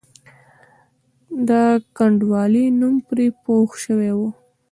د کنډوالې نوم پرې پوخ شوی وو.